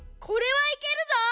これはいけるぞ！